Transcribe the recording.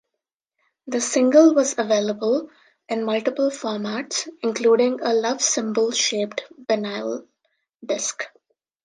The single was available in multiple formats, including a Love Symbol-shaped vinyl disc.